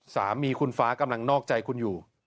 สามีคุณฟ้ากำลังนอกใจคุณอยู่